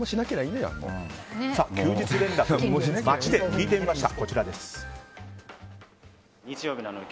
休日連絡、街で聞いてみました。